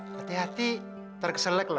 hati hati ntar keselak lo